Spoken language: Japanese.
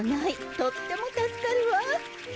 とっても助かるわ！